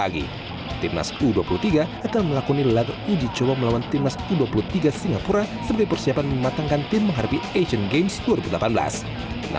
kita akan menganalisis dulu bagaimana kekuatan dari timnas singapura